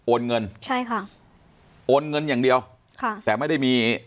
เงินใช่ค่ะโอนเงินอย่างเดียวค่ะแต่ไม่ได้มี